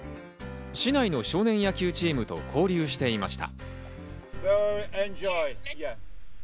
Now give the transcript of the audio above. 市内の少年野球チームと交流していました。